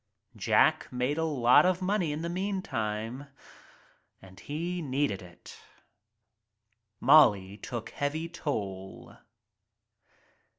Jack made a lot of money in the meantime, and he needed it. Molly took heavy toll.